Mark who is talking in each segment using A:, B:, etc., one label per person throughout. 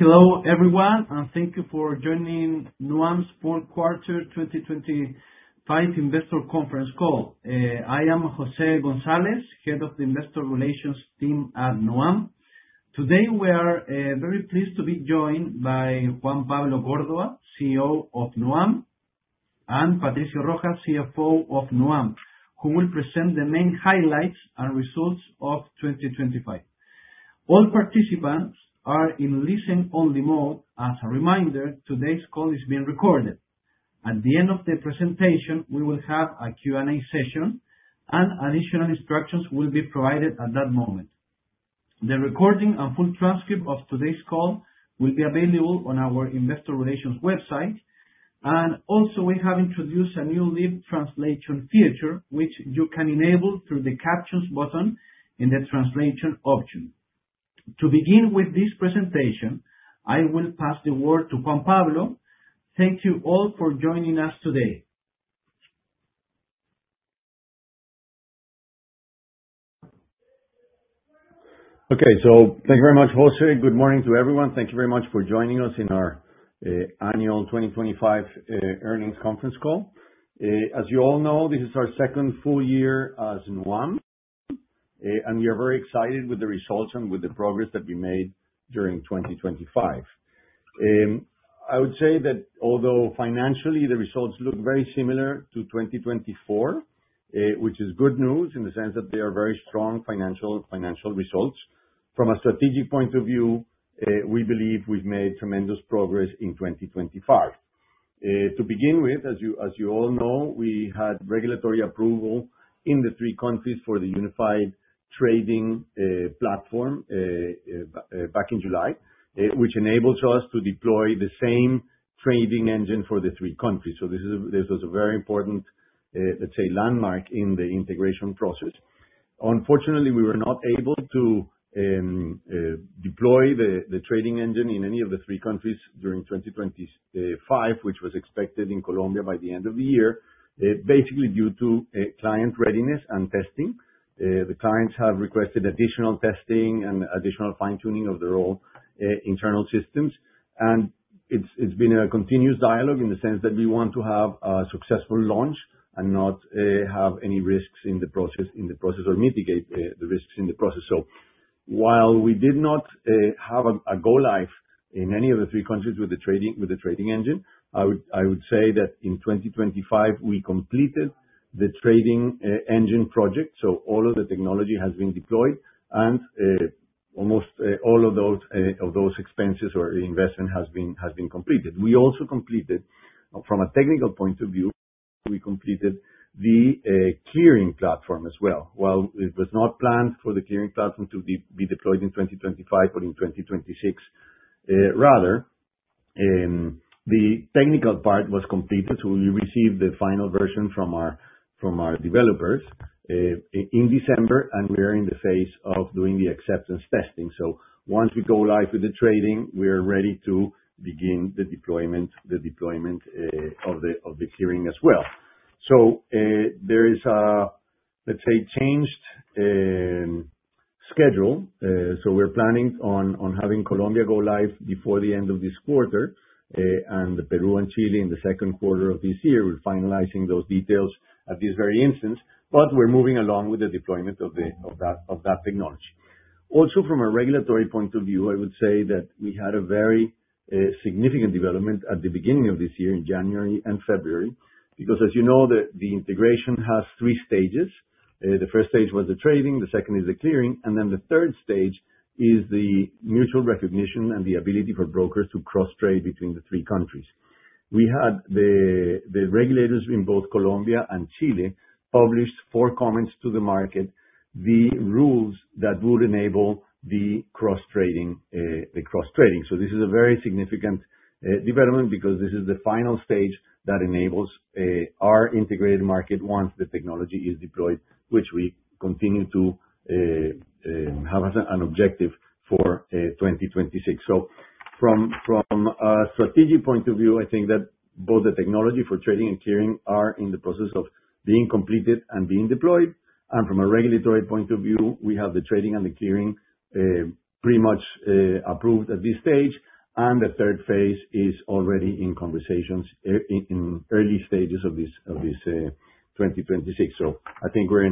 A: Hello, everyone, thank you for joining Nuam's fourth quarter 2025 investor conference call. I am Jose Gonzalez, head of the investor relations team at Nuam. Today, we are very pleased to be joined by Juan Pablo Córdoba, CEO of Nuam, and Patricio Rojas, CFO of Nuam, who will present the main highlights and results of 2025. All participants are in listen-only mode. As a reminder, today's call is being recorded. At the end of the presentation, we will have a Q&A session, and additional instructions will be provided at that moment. The recording and full transcript of today's call will be available on our investor relations website. Also, we have introduced a new live translation feature, which you can enable through the captions button in the translation option. To begin with this presentation, I will pass the word to Juan Pablo. Thank you all for joining us today.
B: Okay. Thank you very much, Jose. Good morning to everyone. Thank you very much for joining us in our annual 2025 earnings conference call. As you all know, this is our second full year as Nuam, we are very excited with the results and with the progress that we made during 2025. I would say that although financially, the results look very similar to 2024, which is good news in the sense that they are very strong financial results. From a strategic point of view, we believe we've made tremendous progress in 2025. To begin with, as you all know, we had regulatory approval in the three countries for the unified trading platform back in July, which enables us to deploy the same trading engine for the three countries. This was a very important, let's say, landmark in the integration process. Unfortunately, we were not able to deploy the trading engine in any of the three countries during 2025, which was expected in Colombia by the end of the year, basically due to client readiness and testing. The clients have requested additional testing and additional fine-tuning of their own internal systems, it's been a continuous dialogue in the sense that we want to have a successful launch and not have any risks in the process, or mitigate the risks in the process. While we did not have a go live in any of the three countries with the trading engine, I would say that in 2025, we completed the trading engine project. All of the technology has been deployed and almost all of those expenses or investment has been completed. We also completed, from a technical point of view, we completed the clearing platform as well. While it was not planned for the clearing platform to be deployed in 2025, but in 2026 rather, the technical part was completed. We received the final version from our developers in December, we are in the phase of doing the acceptance testing. Once we go live with the trading, we are ready to begin the deployment of the clearing as well. There is a, let's say, changed schedule. We're planning on having Colombia go live before the end of this quarter, Peru and Chile in the second quarter of this year. We're finalizing those details at this very instance. We're moving along with the deployment of that technology. From a regulatory point of view, I would say that we had a very significant development at the beginning of this year, in January and February, because as you know, the integration has 3 stages. The first stage was the trading, the second is the clearing, and the third stage is the mutual recognition and the ability for brokers to cross-trade between the three countries. We had the regulators in both Colombia and Chile publish four comments to the market, the rules that would enable the cross-trading. This is a very significant development because this is the final stage that enables our integrated market once the technology is deployed, which we continue to have as an objective for 2026. From a strategic point of view, I think that both the technology for trading and clearing are in the process of being completed and being deployed. From a regulatory point of view, we have the trading and the clearing pretty much approved at this stage. The third phase is already in conversations in early stages of this 2026. I think we're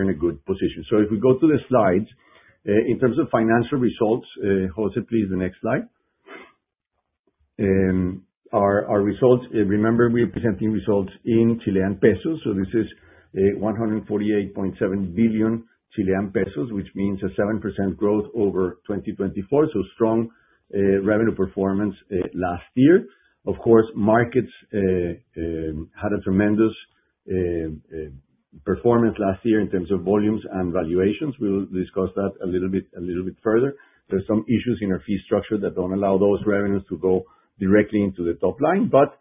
B: in a good position. If we go to the slides. In terms of financial results, José, please, the next slide. Our results, remember, we are presenting results in Chilean pesos, this is 148.7 billion Chilean pesos, which means a 7% growth over 2024. Strong revenue performance last year. Of course, markets had a tremendous performance last year in terms of volumes and valuations. We'll discuss that a little bit further. There are some issues in our fee structure that don't allow those revenues to go directly into the top line, but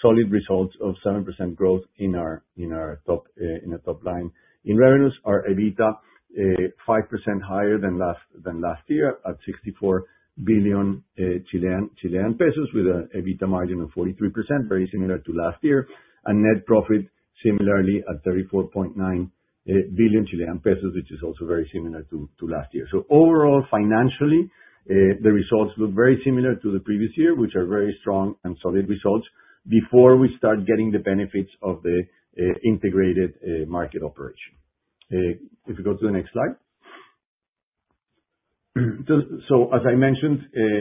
B: solid results of 7% growth in the top line. In revenues are EBITDA 5% higher than last year at 64 billion Chilean pesos, with an EBITDA margin of 43%, very similar to last year. Net profit similarly at 34.9 billion Chilean pesos, which is also very similar to last year. Overall, financially, the results look very similar to the previous year, which are very strong and solid results before we start getting the benefits of the integrated market operation. If we go to the next slide. As I mentioned,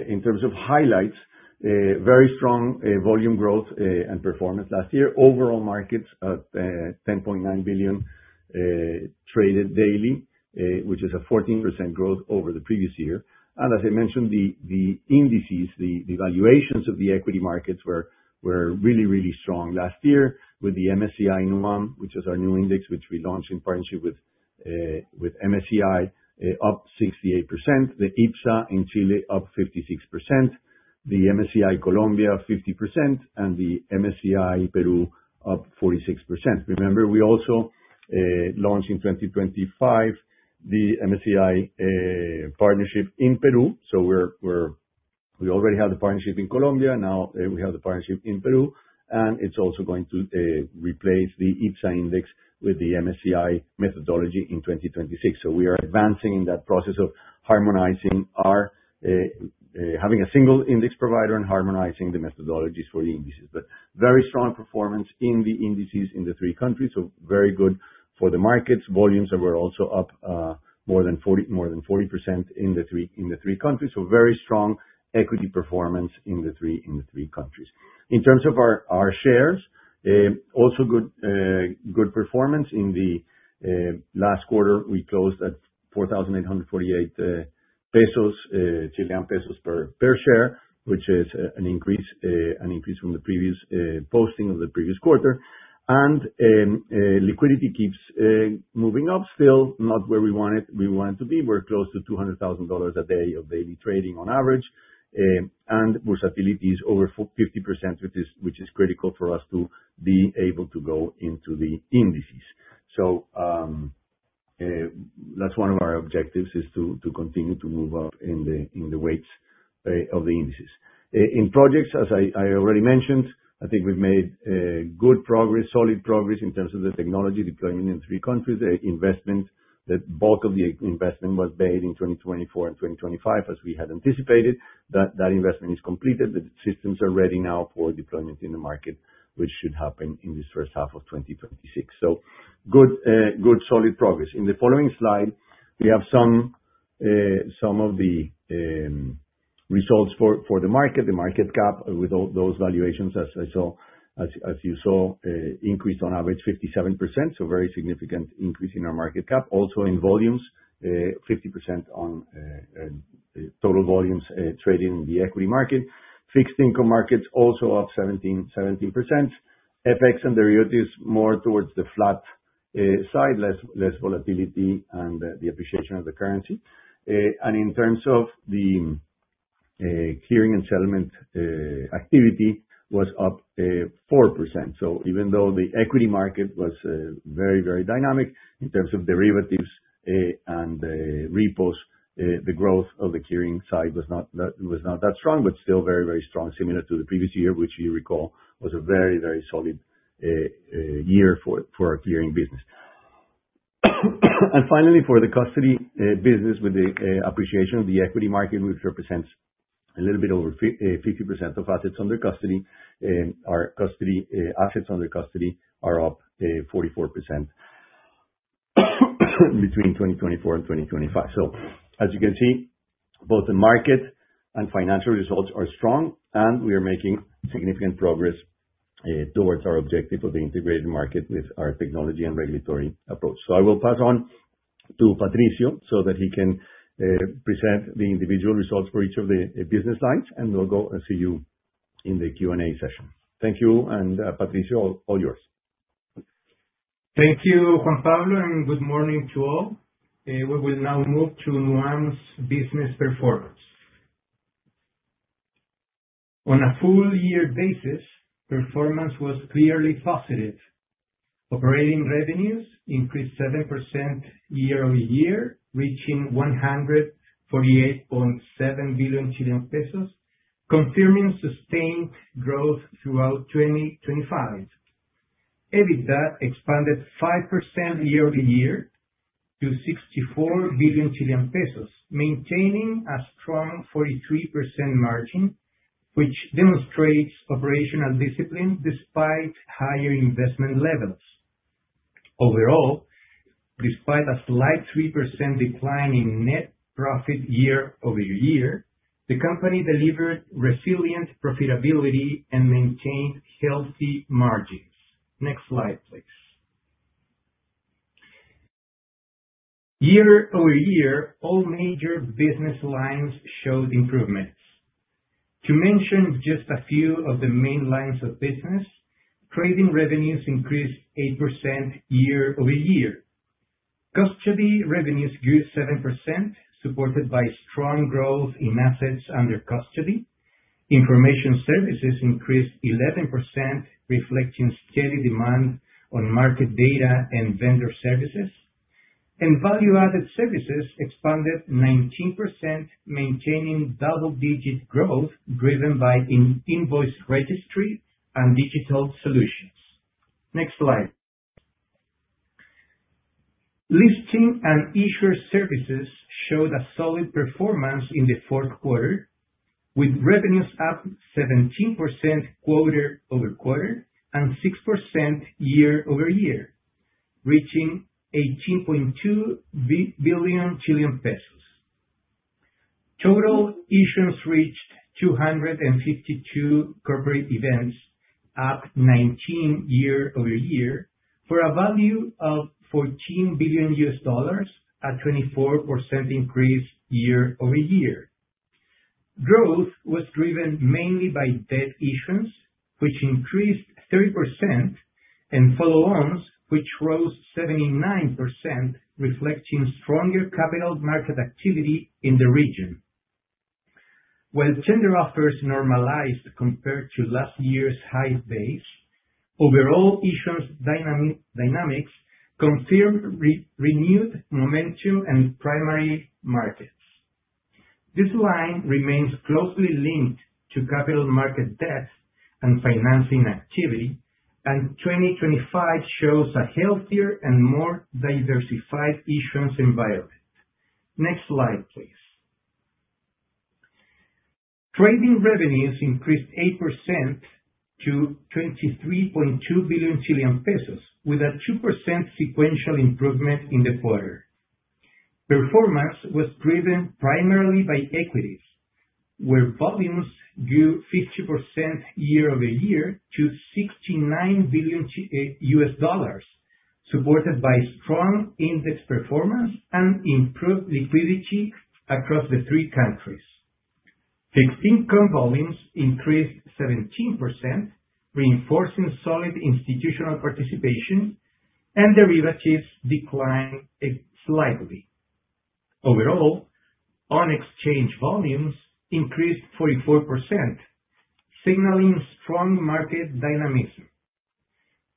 B: in terms of highlights, very strong volume growth and performance last year. Overall markets at 10.9 billion traded daily, which is a 14% growth over the previous year. As I mentioned, the indices, the valuations of the equity markets were really, really strong last year with the MSCI nuam, which is our new index, which we launched in partnership with MSCI, up 68%. The IPSA in Chile up 56%, the MSCI Colombia 50%, and the MSCI Peru up 46%. Remember, we also launched in 2025 the MSCI partnership in Peru. We already have the partnership in Colombia, now we have the partnership in Peru, and it's also going to replace the IPSA index with the MSCI methodology in 2026. We are advancing in that process of having a single index provider and harmonizing the methodologies for the indices. Very strong performance in the indices in the three countries, very good for the markets. Volumes were also up more than 40% in the three countries. Very strong equity performance in the three countries. In terms of our shares, also good performance in the last quarter. We closed at 4,848 pesos per share, which is an increase from the previous posting of the previous quarter. Liquidity keeps moving up, still not where we want it to be. We're close to CLP 200,000 a day of daily trading on average. Volatility is over 50%, which is critical for us to be able to go into the indices. That's one of our objectives, is to continue to move up in the weights of the indices. In projects, as I already mentioned, I think we've made good progress, solid progress in terms of the technology deployment in three countries. The bulk of the investment was made in 2024 and 2025, as we had anticipated. That investment is completed. The systems are ready now for deployment in the market, which should happen in this first half of 2026. Good solid progress. In the following slide, we have some of the results for the market, the market cap with all those valuations, as you saw, increased on average 57%. Very significant increase in our market cap. Also in volumes, 50% on total volumes trading in the equity market. Fixed income markets also up 17%. FX and derivatives, more towards the flat side, less volatility and the appreciation of the currency. In terms of the clearing and settlement activity was up 4%. Even though the equity market was very, very dynamic in terms of derivatives and repos, the growth of the clearing side was not that strong, but still very, very strong. Similar to the previous year, which you recall was a very, very solid year for our clearing business. Finally, for the custody business, with the appreciation of the equity market, which represents a little bit over 50% of assets under custody, our custody assets under custody are up 44% between 2024 and 2025. As you can see, both the market and financial results are strong, and we are making significant progress towards our objective of the integrated market with our technology and regulatory approach. I will pass on to Patricio so that he can present the individual results for each of the business lines, and we'll go and see you in the Q&A session. Thank you, and Patricio, all yours.
C: Thank you, Juan Pablo, and good morning to all. We will now move to Nuam's business performance. On a full year basis, performance was clearly positive. Operating revenues increased 7% year-over-year, reaching 148.7 billion pesos, confirming sustained growth throughout 2025. EBITDA expanded 5% year-over-year to CLP 64 billion, maintaining a strong 43% margin, which demonstrates operational discipline despite higher investment levels. Overall, despite a slight 3% decline in net profit year-over-year, the company delivered resilient profitability and maintained healthy margins. Next slide, please. Year-over-year, all major business lines showed improvements. To mention just a few of the main lines of business, trading revenues increased 8% year-over-year. Custody revenues grew 7%, supported by strong growth in assets under custody. Information services increased 11%, reflecting steady demand on market data and vendor services. Value-added services expanded 19%, maintaining double-digit growth driven by invoice registry and digital solutions. Next slide. Listing and issuer services showed a solid performance in the fourth quarter, with revenues up 17% quarter-over-quarter and 6% year-over-year. Reaching CLP 18.2 billion. Total issuance reached 252 corporate events, up 19% year-over-year, for a value of $14 billion, a 24% increase year-over-year. Growth was driven mainly by debt issuance, which increased 30%, and follow-ons, which rose 79%, reflecting stronger capital market activity in the region. While tender offers normalized compared to last year's high base, overall issuance dynamics confirmed renewed momentum in primary markets. This line remains closely linked to capital market depth and financing activity. 2025 shows a healthier and more diversified issuance environment. Next slide, please. Trading revenues increased 8% to 23.2 billion Chilean pesos, with a 2% sequential improvement in the quarter. Performance was driven primarily by equities, where volumes grew 50% year-over-year to $69 billion, supported by strong index performance and improved liquidity across the three countries. Fixed income volumes increased 17%, reinforcing solid institutional participation, and derivatives declined slightly. Overall, on-exchange volumes increased 44%, signaling strong market dynamism.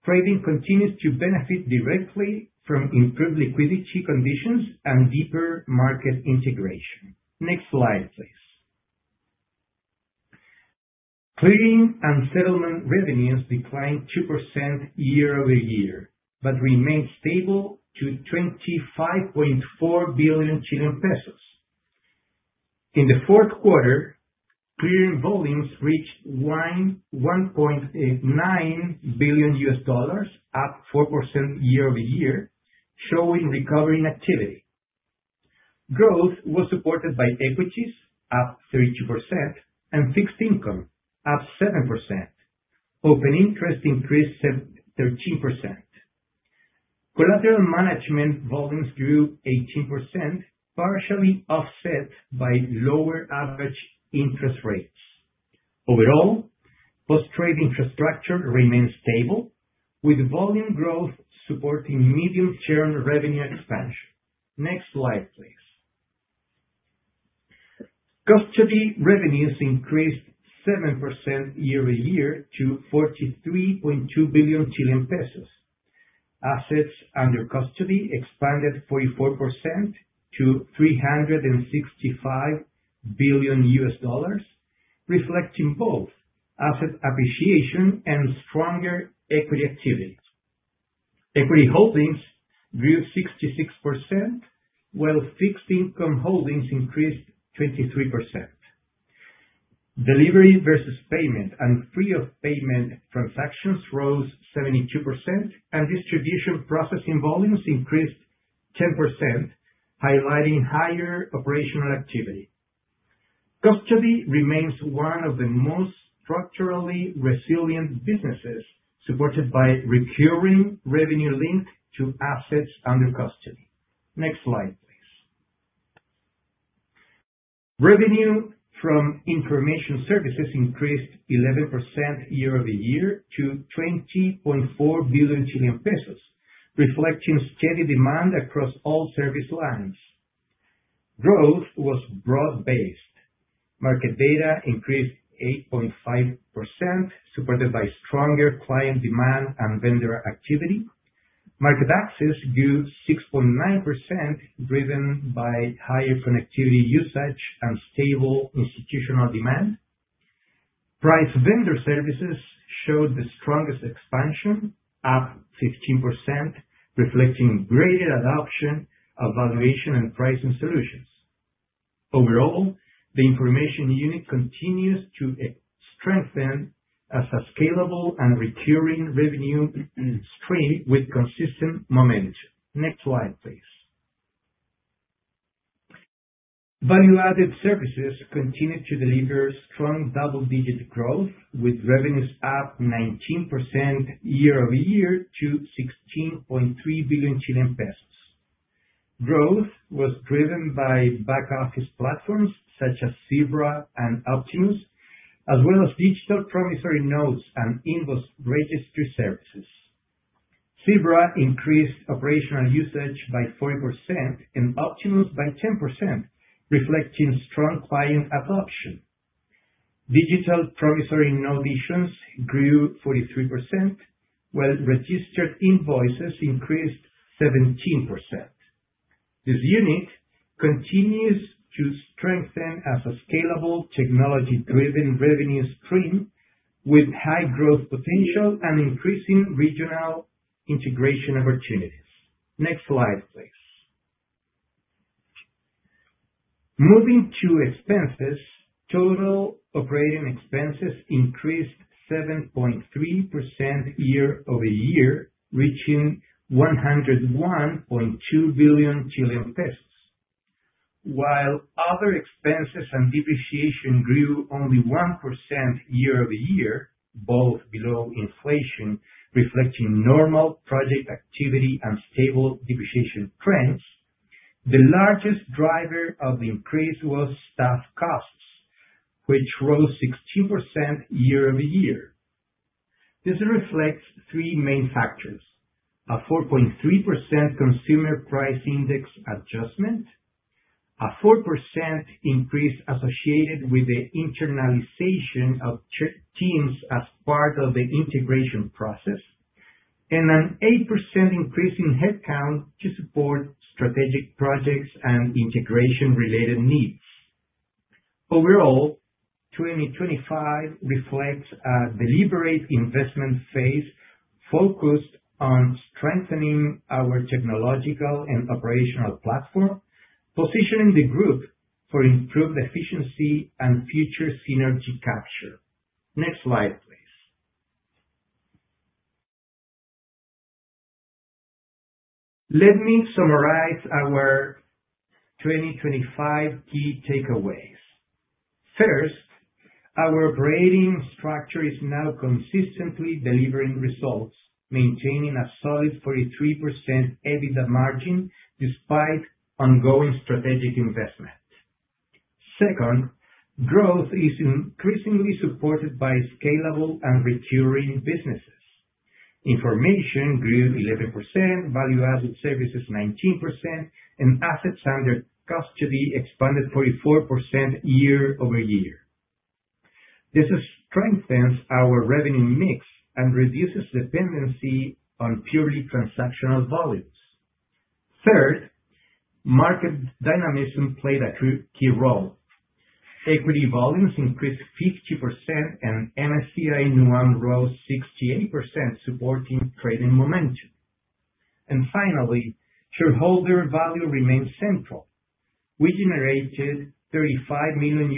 C: Trading continues to benefit directly from improved liquidity conditions and deeper market integration. Next slide, please. Clearing and settlement revenues declined 2% year-over-year, but remained stable to 25.4 billion Chilean pesos. In the fourth quarter, clearing volumes reached $1.9 billion, up 4% year-over-year, showing recovery in activity. Growth was supported by equities up 32% and fixed income up 7%. Open interest increased 13%. Collateral management volumes grew 18%, partially offset by lower average interest rates. Overall, post-trade infrastructure remains stable, with volume growth supporting medium-term revenue expansion. Next slide, please. Custody revenues increased 7% year-over-year to 43.2 billion Chilean pesos. Assets under custody expanded 44% to $365 billion, reflecting both asset appreciation and stronger equity activity. Equity holdings grew 66%, while fixed income holdings increased 23%. Delivery versus payment and free-of-payment transactions rose 72%, and distribution processing volumes increased 10%, highlighting higher operational activity. Custody remains one of the most structurally resilient businesses, supported by recurring revenue linked to assets under custody. Next slide, please. Revenue from information services increased 11% year-over-year to 20.4 billion Chilean pesos, reflecting steady demand across all service lines. Growth was broad-based. Market data increased 8.5%, supported by stronger client demand and vendor activity. Market access grew 6.9%, driven by higher connectivity usage and stable institutional demand. Price vendor services showed the strongest expansion, up 15%, reflecting greater adoption of valuation and pricing solutions. Overall, the information unit continues to strengthen as a scalable and recurring revenue stream with consistent momentum. Next slide, please. Value-added services continued to deliver strong double-digit growth, with revenues up 19% year-over-year to 16.3 billion Chilean pesos. Growth was driven by back-office platforms such as Zebra and Optimus, as well as digital promissory notes and invoice registry services. Zebra increased operational usage by 40% and Optimus by 10%, reflecting strong client adoption. Digital promissory note issuance grew 43%, while registered invoices increased 17%. This unit continues to strengthen as a scalable technology-driven revenue stream with high growth potential and increasing regional integration opportunities. Next slide, please.
B: Moving to expenses, total operating expenses increased 7.3% year-over-year, reaching CLP 101.2 billion. While other expenses and depreciation grew only 1% year-over-year, both below inflation, reflecting normal project activity and stable depreciation trends, the largest driver of the increase was staff costs, which rose 16% year-over-year. This reflects three main factors: a 4.3% consumer price index adjustment, a 4% increase associated with the internalization of checked teams as part of the integration process, and an 8% increase in head count to support strategic projects and integration related needs. Overall, 2025 reflects a deliberate investment phase focused on strengthening our technological and operational platform, positioning the group for improved efficiency and future synergy capture. Next slide, please. Let me summarize our 2025 key takeaways. First, our operating structure is now consistently delivering results, maintaining a solid 43% EBITDA margin despite ongoing strategic investment. Second, growth is increasingly supported by scalable and recurring businesses. Information grew 11%, value-added services 19%, and assets under custody expanded 44% year-over-year. This strengthens our revenue mix and reduces dependency on purely transactional volumes. Third, market dynamism played a key role. Equity volumes increased 50% and MSCI Nuam rose 68%, supporting trading momentum. Finally, shareholder value remains central. We generated $35 million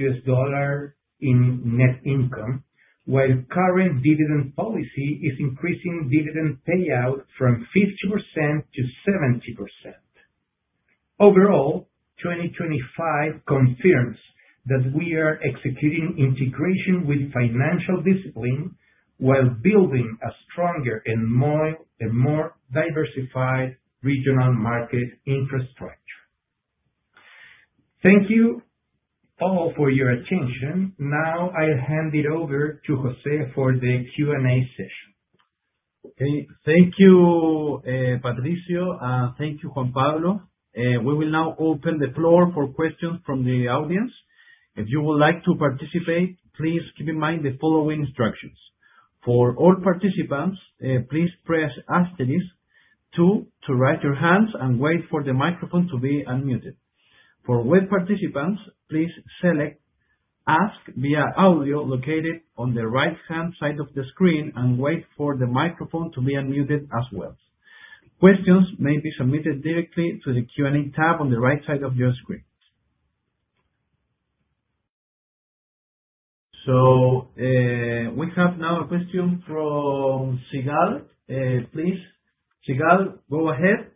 B: in net income, while current dividend policy is increasing dividend payout from 50%-70%. Overall, 2025 confirms that we are executing integration with financial discipline while building a stronger and more diversified regional market infrastructure. Thank you all for your attention. I hand it over to Jose for the Q&A session.
A: Thank you, Patricio. Thank you, Juan Pablo. We will now open the floor for questions from the audience. If you would like to participate, please keep in mind the following instructions. For all participants, please press asterisk 2 to raise your hands and wait for the microphone to be unmuted. For web participants, please select Ask via Audio located on the right-hand side of the screen and wait for the microphone to be unmuted as well. Questions may be submitted directly to the Q&A tab on the right side of your screen. We have now a question from Segal. Please, Segal, go ahead.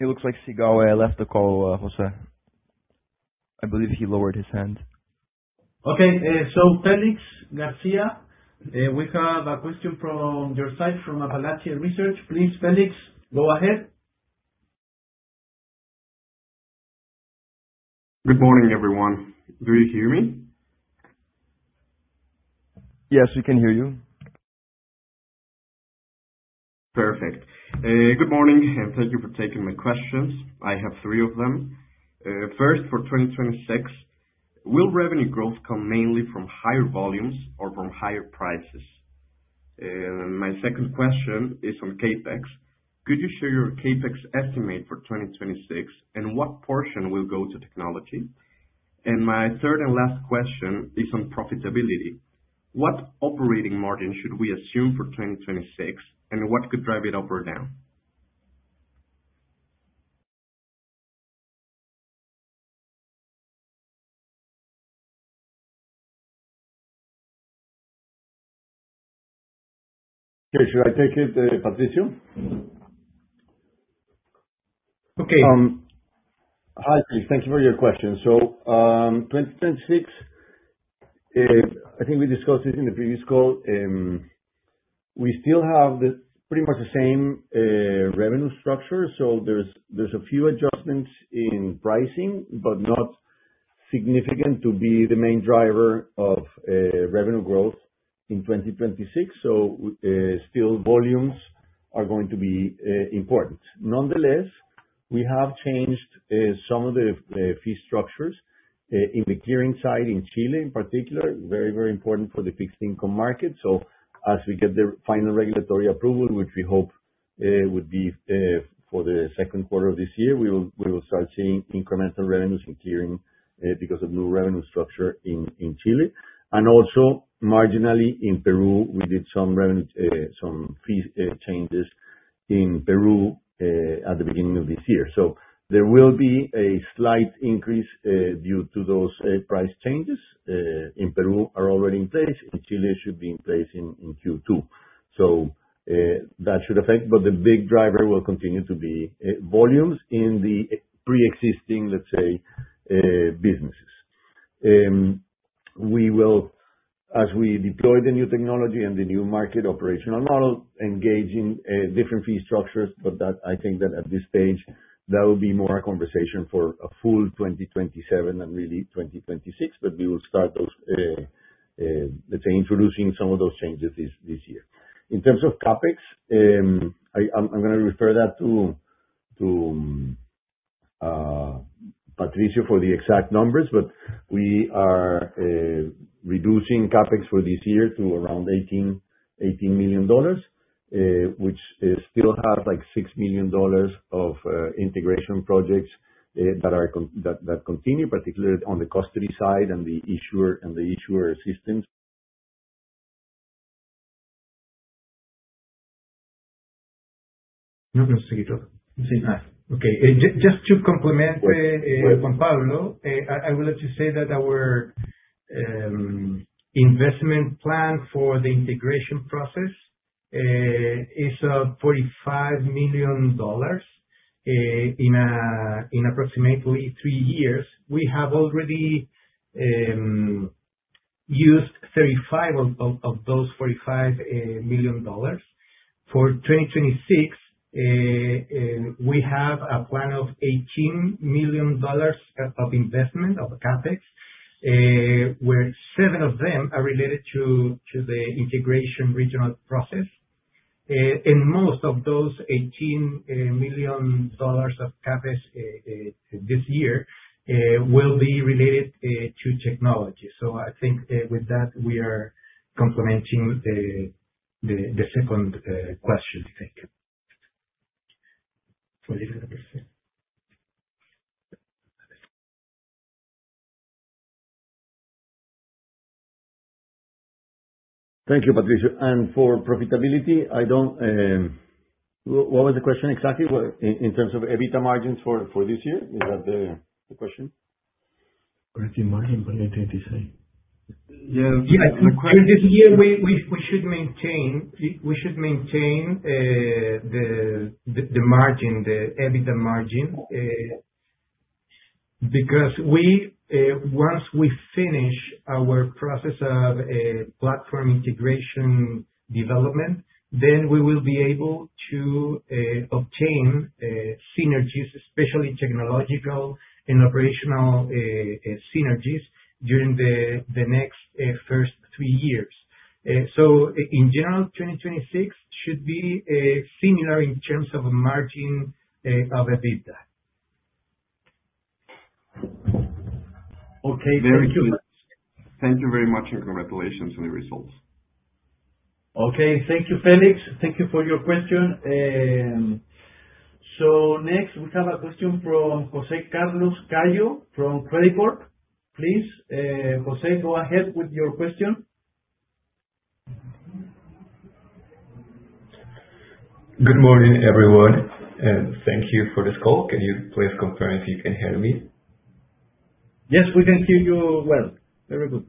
D: It looks like Segal left the call, Jose. I believe he lowered his hand.
A: Okay. Felix Garcia, we have a question from your side from Appalachia Research. Please, Felix, go ahead.
E: Good morning, everyone. Do you hear me?
A: Yes, we can hear you.
E: Perfect. Good morning, and thank you for taking my questions. I have three of them. First, for 2026, will revenue growth come mainly from higher volumes or from higher prices? My second question is on CapEx. Could you share your CapEx estimate for 2026, and what portion will go to technology? My third and last question is on profitability. What operating margin should we assume for 2026, and what could drive it up or down?
B: Should I take it, Patricio?
A: Okay.
B: Hi, Felix. Thank you for your question. 2026, I think we discussed it in the previous call. We still have pretty much the same revenue structure, there's a few adjustments in pricing, but not significant to be the main driver of revenue growth in 2026. Still volumes are going to be important. Nonetheless, we have changed some of the fee structures in the clearing side, in Chile in particular, very important for the fixed income market. As we get the final regulatory approval, which we hope it would be for the second quarter of this year, we will start seeing incremental revenues recurring because of new revenue structure in Chile. Also marginally in Peru, we did some fee changes in Peru at the beginning of this year. There will be a slight increase due to those price changes in Peru are already in place. In Chile, should be in place in Q2. That should affect, but the big driver will continue to be volumes in the preexisting, let's say, businesses. As we deploy the new technology and the new market operational model, engage in different fee structures, but I think that at this stage, that will be more a conversation for a full 2027 and really 2026, but we will start those, let's say, introducing some of those changes this year. In terms of CapEx, I'm going to refer that to Patricio for the exact numbers, but we are reducing CapEx for this year to around CLP 18 million, which still have CLP 6 million of integration projects that continue, particularly on the custody side and the issuer systems. Just to complement Juan Pablo, I would like to say that our investment plan for the integration process is CLP 45 million in approximately three years. We have already used 35 of those CLP 45 million. For 2026, we have a plan of CLP 18 million of investment of CapEx, where seven of them are related to the integration regional process. Most of those CLP 18 million of CapEx this year will be related to technology. I think with that, we are complementing the second question. Thank you. Thank you, Patricio. For profitability, what was the question exactly, in terms of EBITDA margins for this year? Is that the question?
C: Profit margin
B: Yeah.
C: Yeah. For this year, we should maintain the EBITDA margin, because once we finish our process of platform integration development, then we will be able to obtain synergies, especially technological and operational synergies during the next first three years. In general, 2026 should be similar in terms of margin of EBITDA.
B: Okay. Thank you.
E: Thank you very much, and congratulations on the results.
A: Okay. Thank you, Felix. Thank you for your question. Next, we have a question from Jose Carlos Gallo from Credicorp. Please, Jose, go ahead with your question.
F: Good morning, everyone. Thank you for this call. Can you please confirm if you can hear me?
B: Yes, we can hear you well. Very good.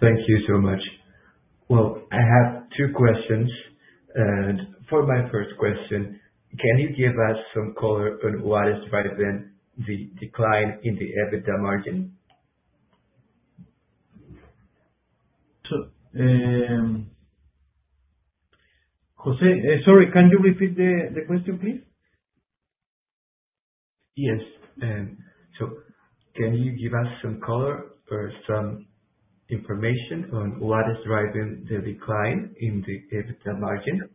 F: Thank you so much. Well, I have two questions. For my first question, can you give us some color on what is driving the decline in the EBITDA margin?
B: Jose, sorry, can you repeat the question, please?
F: Yes. Can you give us some color or some information on what is driving the decline in the EBITDA margin?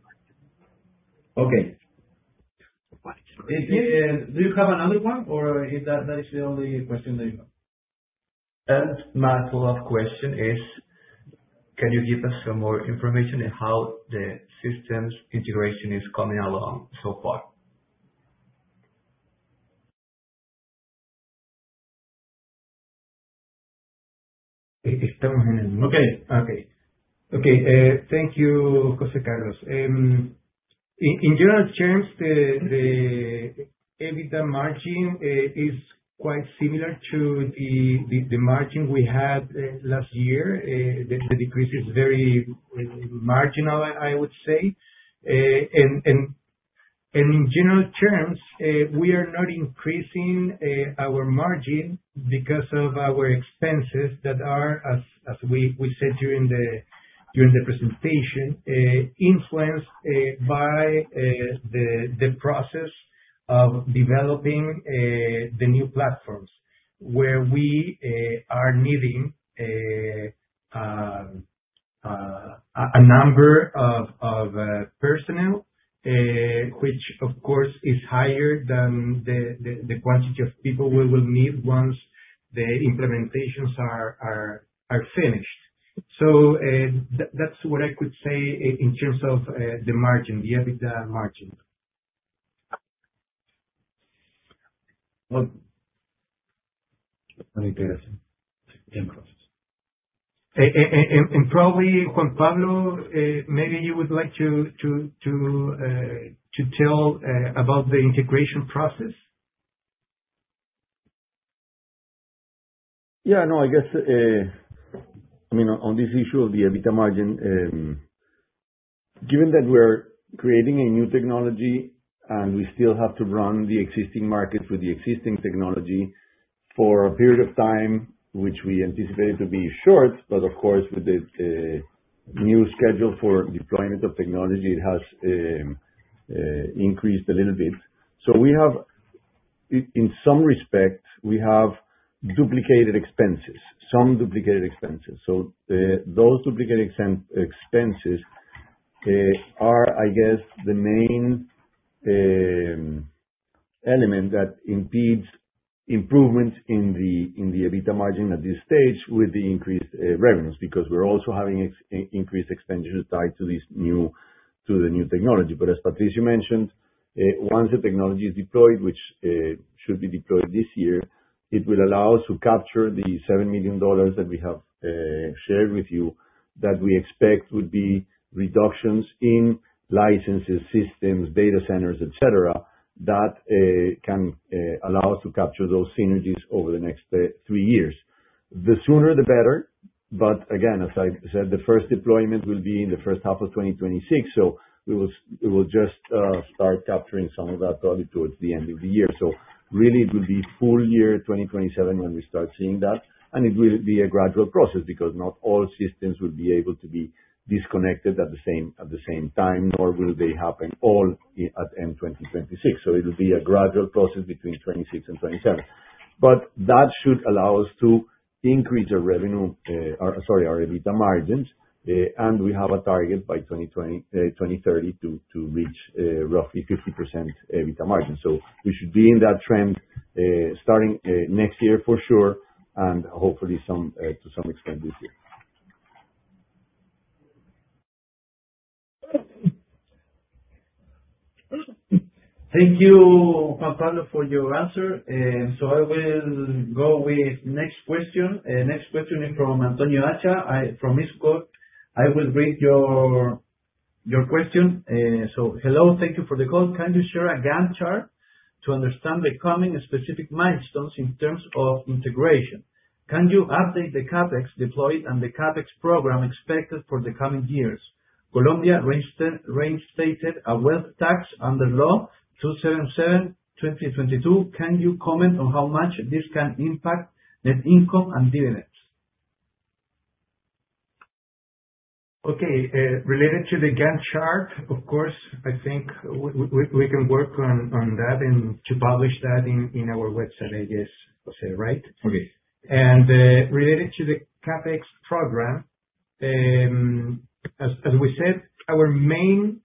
B: Okay. Do you have another one, or that is the only question that you have?
F: My follow-up question is, can you give us some more information on how the systems integration is coming along so far?
B: Okay. Thank you, Jose Carlos. In general terms, the EBITDA margin is quite similar to the margin we had last year. The decrease is very marginal, I would say. In general terms, we are not increasing our margin because of our expenses that are, as we said during the presentation, influenced by the process of developing the new platforms, where we are needing a number of personnel
C: Which, of course, is higher than the quantity of people we will need once the implementations are finished. That's what I could say in terms of the margin, the EBITDA margin. Probably, Juan Pablo, maybe you would like to tell about the integration process.
B: Yeah. I guess, on this issue of the EBITDA margin, given that we're creating a new technology and we still have to run the existing market with the existing technology for a period of time, which we anticipate to be short, but of course, with the new schedule for deployment of technology, it has increased a little bit. In some respects, we have duplicated expenses, some duplicated expenses. Those duplicated expenses are, I guess, the main element that impedes improvement in the EBITDA margin at this stage with the increased revenues, because we're also having increased expenditures tied to the new technology. As Patricio mentioned, once the technology is deployed, which should be deployed this year, it will allow us to capture the CLP 7 million that we have shared with you, that we expect would be reductions in licenses, systems, data centers, et cetera, that can allow us to capture those synergies over the next three years. The sooner the better. Again, as I said, the first deployment will be in the first half of 2026, we will just start capturing some of that probably towards the end of the year. Really it will be full year 2027 when we start seeing that, it will be a gradual process because not all systems will be able to be disconnected at the same time, nor will they happen all at end 2026. It will be a gradual process between 2026 and 2027. That should allow us to increase our revenue, sorry, our EBITDA margins. We have a target by 2030 to reach roughly 50% EBITDA margins. We should be in that trend, starting next year for sure, and hopefully to some extent this year.
A: Thank you, Juan Pablo, for your answer. I will go with next question. Next question is from Antonio Acha from Isco. I will read your question. Hello, thank you for the call. Can you share a Gantt chart to understand the coming specific milestones in terms of integration? Can you update the CapEx deployed and the CapEx program expected for the coming years? Colombia reinstated a wealth tax under Law 2277 of 2022. Can you comment on how much this can impact net income and dividends? Related to the Gantt chart, of course, I think we can work on that and to publish that in our website, I guess. Jose, right?
B: Okay.
C: Related to the CapEx program, as we said, our main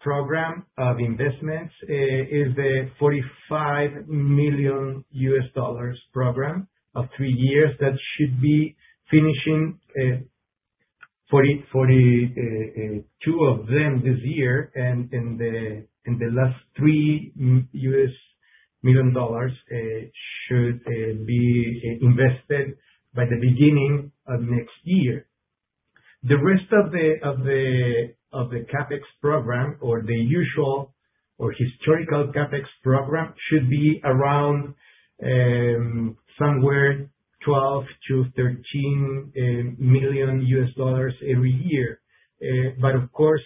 C: program of investments is a $45 million program of 3 years that should be finishing 42 of them this year, and the last $3 million should be invested by the beginning of next year. The rest of the CapEx program or the usual or historical CapEx program should be around somewhere $12 million-$13 million every year. Of course,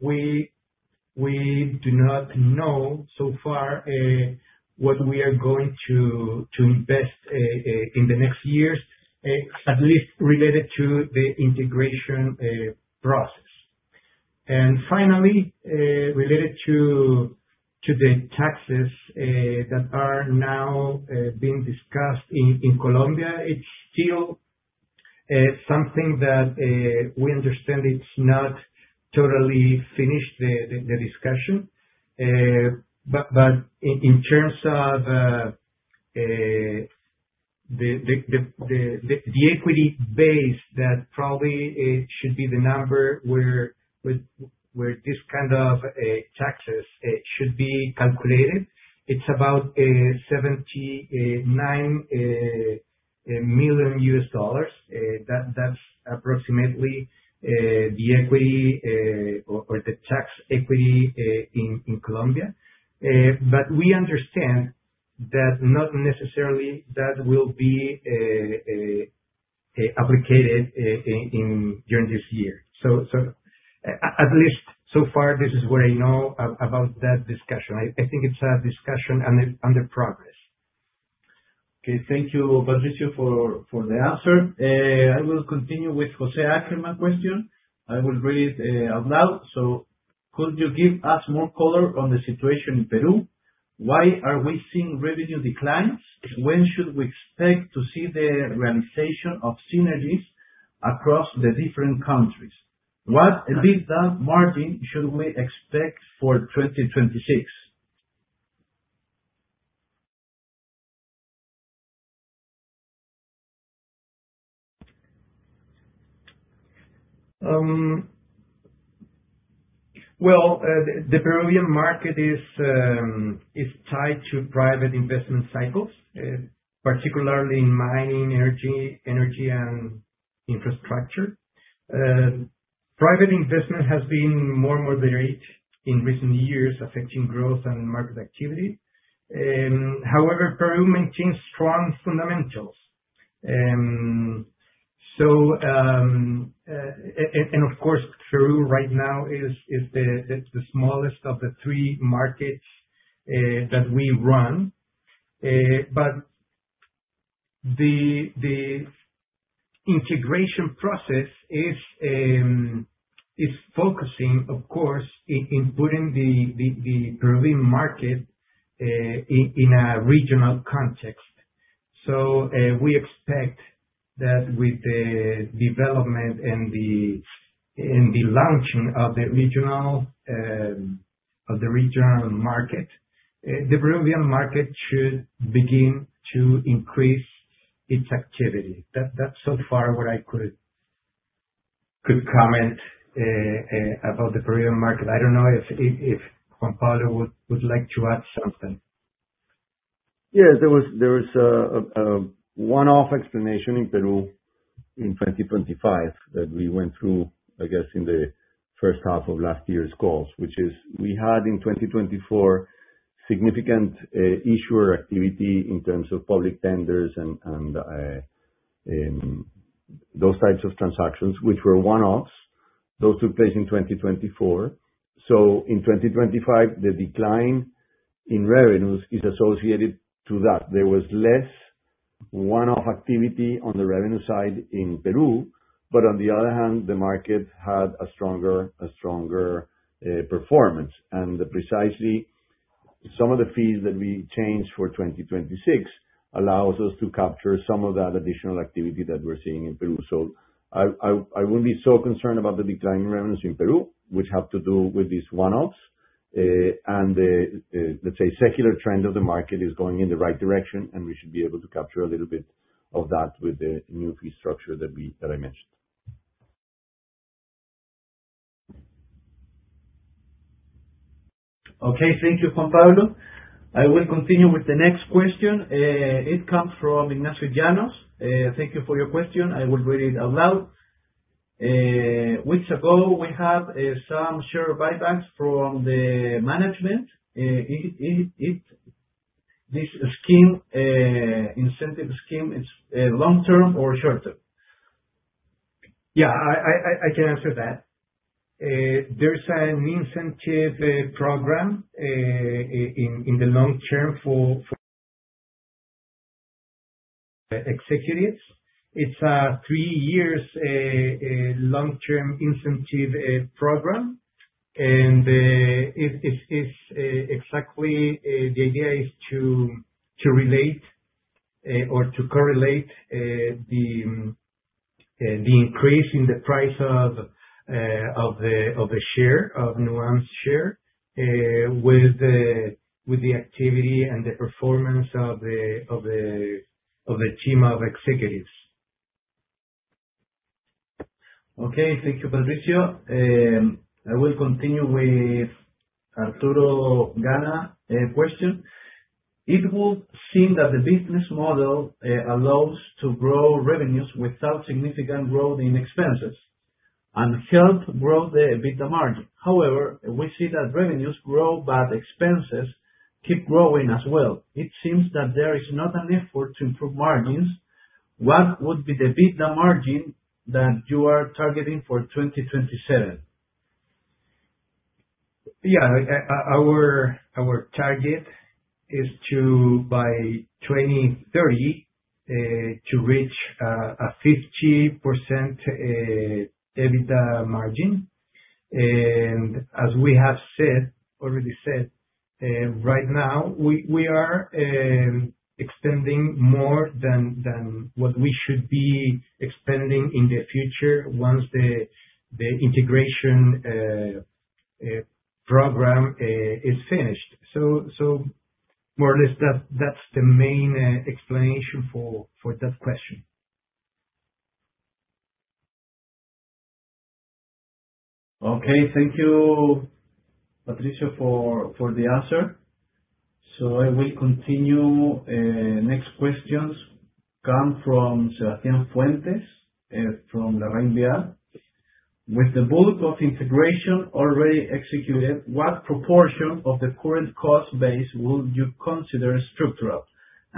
C: we do not know so far what we are going to invest in the next years, at least related to the integration process. Finally, related to the taxes that are now being discussed in Colombia, it's still something that we understand it's not totally finished, the discussion. In terms of the equity base, that probably should be the number where this kind of taxes should be calculated.
A: It's about $79 million. That's approximately the equity or the tax equity in Colombia. We understand that not necessarily that will be applicated during this year. At least so far, this is what I know about that discussion. I think it's a discussion under progress. Thank you, Patricio, for the answer. I will continue with Joe Ackerman question. I will read it out loud. Could you give us more color on the situation in Peru? Why are we seeing revenue declines? When should we expect to see the realization of synergies across the different countries? What EBITDA margin should we expect for 2026?
C: Well, the Peruvian market is tied to private investment cycles, particularly in mining, energy, and infrastructure. Private investment has been more moderate in recent years, affecting growth and market activity. However, Peru maintains strong fundamentals. Of course, Peru right now is the smallest of the three markets that we run. The integration process is focusing, of course, in putting the Peruvian market in a regional context. We expect that with the development and the launching of the regional market, the Peruvian market should begin to increase its activity. That's so far what I could comment about the Peruvian market. I don't know if Juan Pablo would like to add something.
B: Yes. There was a one-off explanation in Peru in 2025 that we went through, I guess, in the first half of last year's calls, which is we had in 2024, significant issuer activity in terms of public tenders and those types of transactions, which were one-offs. Those took place in 2024. In 2025, the decline in revenues is associated to that. There was less one-off activity on the revenue side in Peru, but on the other hand, the market had a stronger performance. Precisely some of the fees that we changed for 2026 allows us to capture some of that additional activity that we're seeing in Peru. I wouldn't be so concerned about the decline in revenues in Peru, which have to do with these one-offs. Let's say secular trend of the market is going in the right direction, and we should be able to capture a little bit of that with the new fee structure that I mentioned.
A: Okay. Thank you, Juan Pablo. I will continue with the next question. It comes from Ignacio Llanos. Thank you for your question. I will read it out loud. Weeks ago, we had some share buybacks from the management. Is this incentive scheme long-term or short-term?
C: Yeah. I can answer that. There's an incentive program in the long term for executives. It's a three years long-term incentive program. Exactly, the idea is to relate or to correlate the increase in the price of Nuam share, with the activity and the performance of the team of executives.
A: Okay. Thank you, Patricio. I will continue with Arturo Gana question. It would seem that the business model allows to grow revenues without significant growth in expenses and help grow the EBITDA margin. However, we see that revenues grow, expenses keep growing as well. It seems that there is not an effort to improve margins. What would be the EBITDA margin that you are targeting for 2027?
C: Yeah. Our target is to, by 2030, to reach a 50% EBITDA margin. As we have already said, right now, we are extending more than what we should be extending in the future once the integration program is finished. More or less, that's the main explanation for that question.
A: Thank you, Patricio, for the answer. I will continue. Next questions come from Sebastian Fuentes, from La Reñía. With the bulk of integration already executed, what proportion of the current cost base would you consider structural?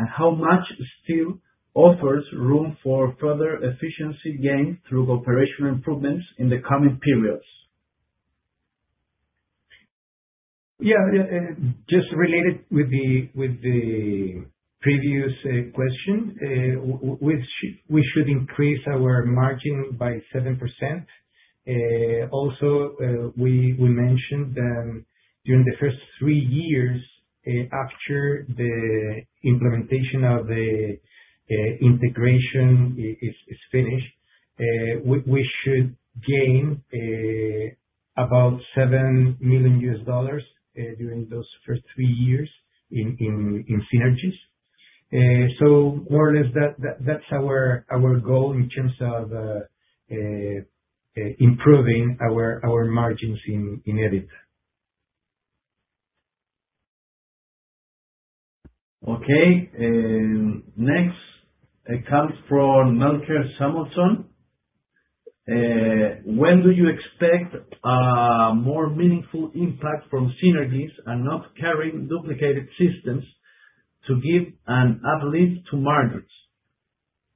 A: How much still offers room for further efficiency gain through operational improvements in the coming periods?
C: Yeah. Just related with the previous question, we should increase our margin by 7%.
A: We mentioned that during the first three years after the implementation of the integration is finished, we should gain about $7 million US dollars during those first three years in synergies. More or less that's our goal in terms of improving our margins in EBITDA. Okay. Next comes from Melker Samuelsson. When do you expect a more meaningful impact from synergies and not carrying duplicated systems to give an uplift to margins?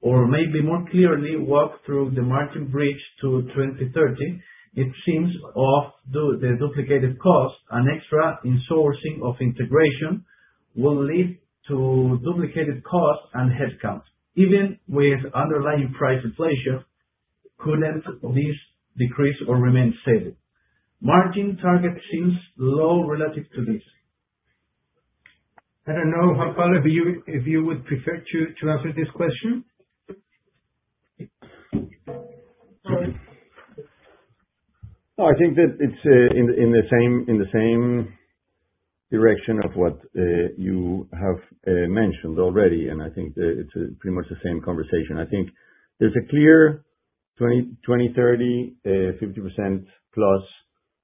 A: Maybe more clearly walk through the margin bridge to 2030. It seems off the duplicated costs and extra in sourcing of integration will lead to duplicated costs and headcounts. Even with underlying price inflation, couldn't this decrease or remain steady? Margin target seems low relative to this. I don't know, Juan Pablo, if you would prefer to answer this question?
B: No, I think that it's in the same direction of what you have mentioned already, I think that it's pretty much the same conversation. I think there's a clear 2030, 50% plus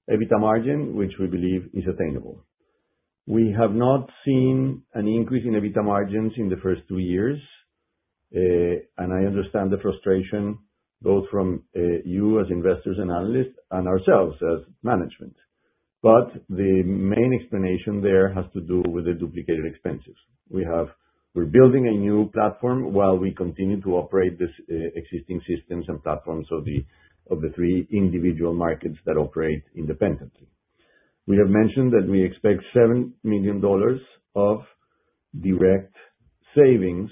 B: EBITDA margin, which we believe is attainable. We have not seen an increase in EBITDA margins in the first two years. I understand the frustration, both from you as investors and analysts, and ourselves as management. The main explanation there has to do with the duplicated expenses. We're building a new platform while we continue to operate this existing systems and platforms of the three individual markets that operate independently. We have mentioned that we expect $7 million of direct savings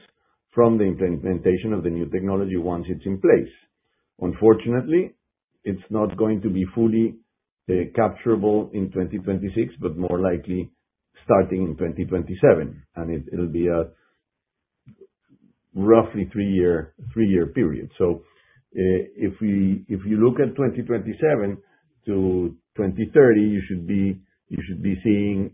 B: from the implementation of the new technology once it's in place. Unfortunately, it's not going to be fully capturable in 2026, but more likely starting in 2027, and it'll be a roughly three-year period. If you look at 2027-2030, you should be seeing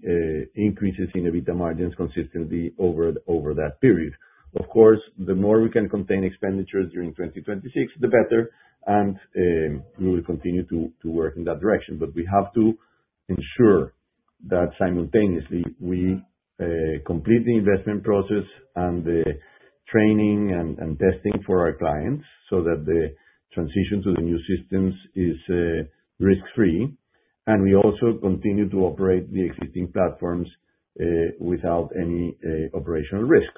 B: increases in EBITDA margins consistently over that period. Of course, the more we can contain expenditures during 2026, the better, and we will continue to work in that direction. We have to ensure that simultaneously we complete the investment process and the training and testing for our clients so that the transition to the new systems is risk-free. We also continue to operate the existing platforms without any operational risk.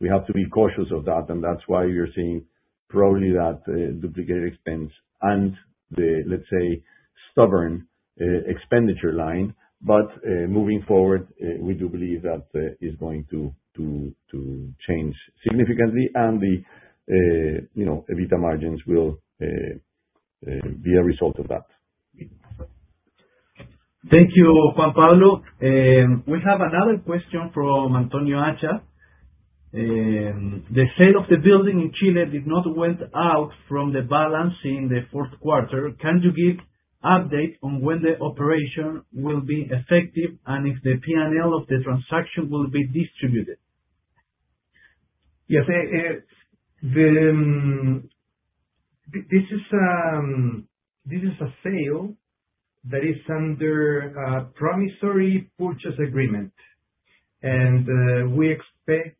B: We have to be cautious of that, and that's why you're seeing probably that duplicated expense and the, let's say, stubborn expenditure line. Moving forward, we do believe that is going to change significantly and the EBITDA margins will be a result of that.
A: Thank you, Juan Pablo. We have another question from Antonio Acha. The sale of the building in Chile did not went out from the balance in the fourth quarter. Can you give update on when the operation will be effective and if the P&L of the transaction will be distributed? Yes. This is a sale that is under a promissory purchase agreement. We expect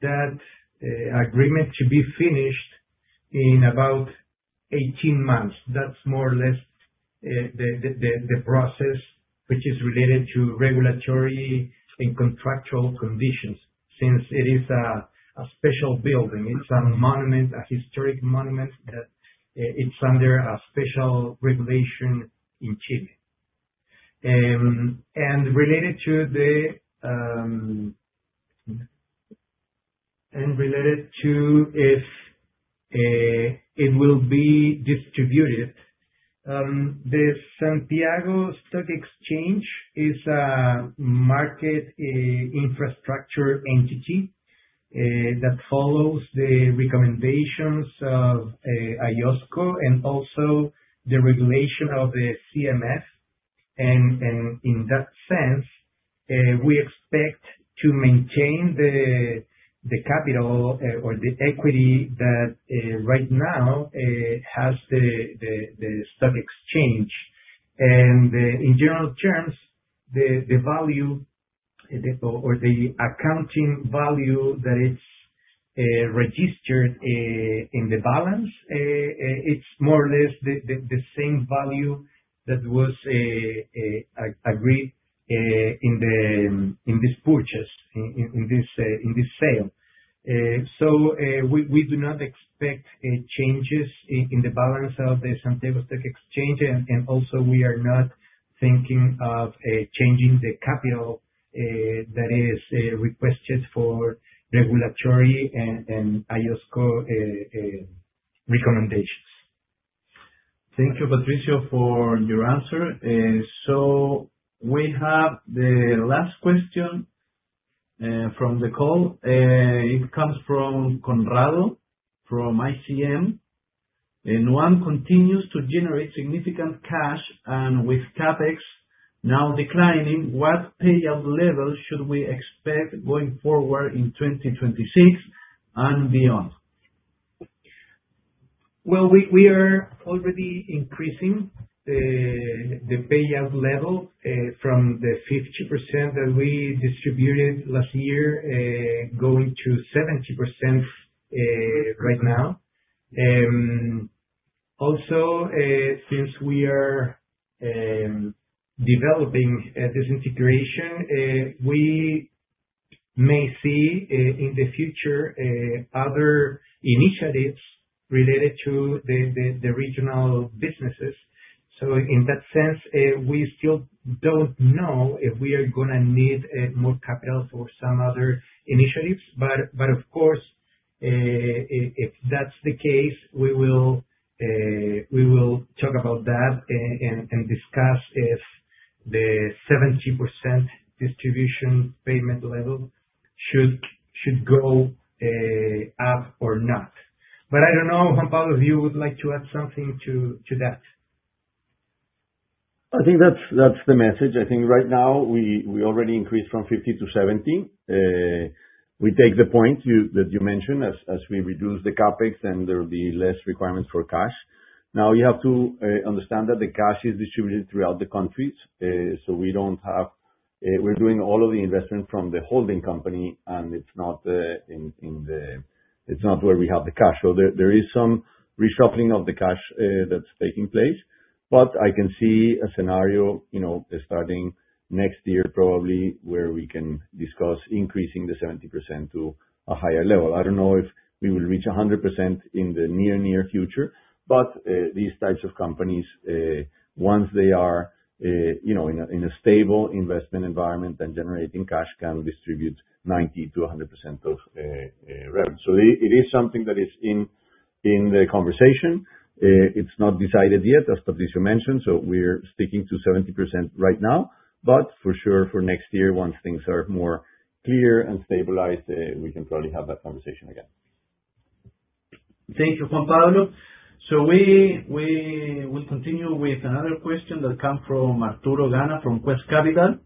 A: that agreement to be finished in about 18 months. That's more or less the process which is related to regulatory and contractual conditions, since it is a special building. It's a monument, a historic monument that it's under a special regulation in Chile. Related to if it will be distributed, the Santiago Stock Exchange is a market infrastructure entity that follows the recommendations of IOSCO and also the regulation of the CMF.
C: In that sense, we expect to maintain the capital or the equity that right now has the stock exchange. In general terms, the value or the accounting value that is registered in the balance, it's more or less the same value that was agreed in this purchase, in this sale. We do not expect changes in the balance of the Santiago Stock Exchange. Also we are not thinking of changing the capital that is requested for regulatory and IOSCO recommendations.
A: Thank you, Patricio, for your answer. We have the last question from the call. It comes from Conrado, from ICM. Nuam continues to generate significant cash, with CapEx now declining, what payout level should we expect going forward in 2026 and beyond?
C: Well, we are already increasing the payout level from the 50% that we distributed last year, going to 70% right now. Since we are developing this integration, we may see, in the future, other initiatives related to the regional businesses. In that sense, we still don't know if we are going to need more capital for some other initiatives. Of course, if that's the case, we will talk about that and discuss if the 70% distribution payment level should go up or not. I don't know, Juan Pablo, if you would like to add something to that.
B: I think that's the message. I think right now, we already increased from 50 to 70. We take the point that you mentioned, as we reduce the CapEx, there will be less requirements for cash. You have to understand that the cash is distributed throughout the countries. We're doing all of the investment from the holding company, it's not where we have the cash. I can see a scenario, starting next year probably, where we can discuss increasing the 70% to a higher level. I don't know if we will reach 100% in the near future, these types of companies, once they are in a stable investment environment and generating cash, can distribute 90%-100% of revenue. It is something that is in the conversation. It's not decided yet, as Patricio mentioned, we're sticking to 70% right now. For sure, for next year, once things are more clear and stabilized, we can probably have that conversation again.
A: Thank you, Juan Pablo. We will continue with another question that come from Arturo Gana, from Quest Capital,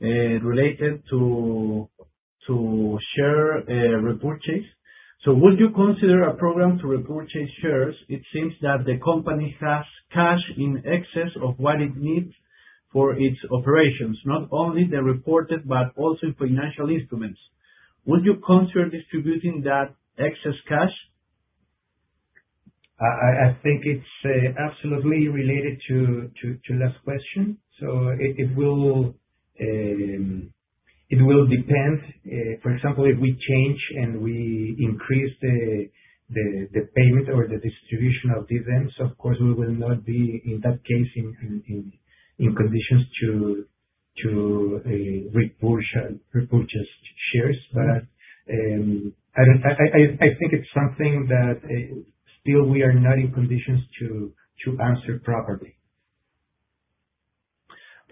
A: related to share repurchase. Would you consider a program to repurchase shares? It seems that the company has cash in excess of what it needs for its operations, not only the reported, but also financial instruments. Would you consider distributing that excess cash?
C: I think it's absolutely related to last question. It will depend. For example, if we change and we increase the payment or the distribution of dividends, of course, we will not be, in that case, in conditions to repurchase shares. I think it's something that still we are not in conditions to answer properly.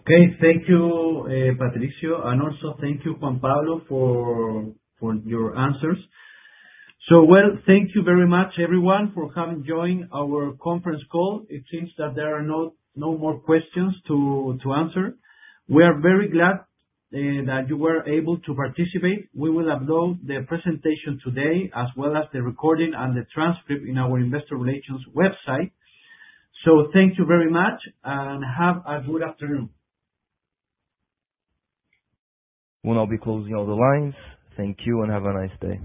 A: Okay. Thank you, Patricio, and also thank you, Juan Pablo, for your answers. Well, thank you very much, everyone, for coming joined our conference call. It seems that there are no more questions to answer. We are very glad that you were able to participate. We will upload the presentation today, as well as the recording and the transcript in our investor relations website. Thank you very much, and have a good afternoon.
D: We'll now be closing all the lines. Thank you and have a nice day.